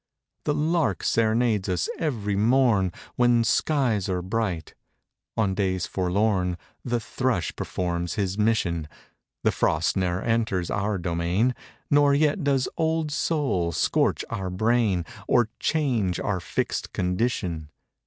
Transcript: The lark ser'nades us every morn When skies are bright. On days forlorn The thrush performs his mission. The frost ne'er enters our domain— Nor yet does Old Sol scorch our brain Or change our fixed condition.